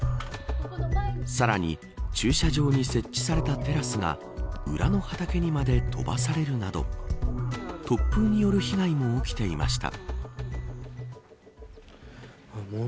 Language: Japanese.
さらに駐車場に設置されたテラスが裏の畑にまで飛ばされるなど突風による被害も起きていました。